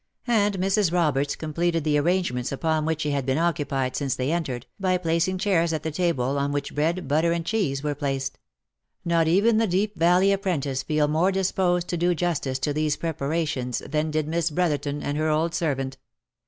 And Mrs. Roberts completed the arrangements upon which she had been occupied since they entered, by placing chairs at the table on which bread, butter, and cheese, were placed. Not even did the Deep Valley apprentice feel more disposed to do justice to these preparations than did Miss Brotherton and her old servant.